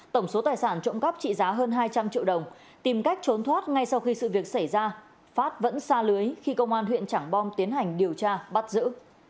tổng số tài sản trộm cắp trị giá hơn hai trăm linh triệu đồng tìm cách trốn thoát ngay sau khi sự việc xảy ra phát vẫn xa lưới khi công an huyện trảng bom tiến hành điều tra bắt giữ